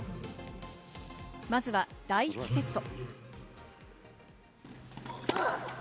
まずは第１セット。